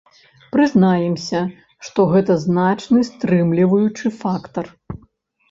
Прызнаемся, што гэта значны стрымліваючы фактар.